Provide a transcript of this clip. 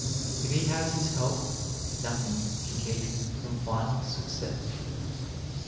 If he has his health, nothing can keep him from final success.